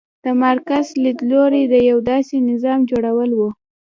د مارکس لیدلوری د یو داسې نظام جوړول و.